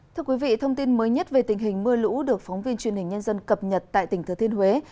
thưa quý vị thông tin mới nhất về tình hình mưa lũ được phóng viên truyền hình nhân dân cập nhật tại tỉnh thừa thiên huế